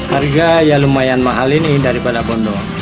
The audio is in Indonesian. harga ya lumayan mahal ini daripada bondong